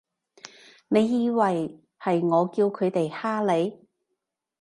你以為係我叫佢哋㗇你？